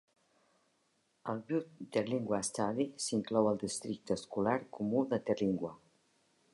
El Butte-Terlingua Study s'inclou al districte escolar comú de Terlingua.